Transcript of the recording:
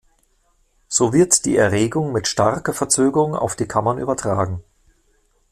So wird die Erregung mit starker Verzögerung auf die Kammern übertragen.